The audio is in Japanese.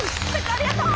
ありがとう！